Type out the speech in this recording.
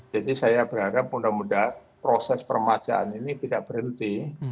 jadi saya berharap mudah mudahan proses permajaan ini tidak berhenti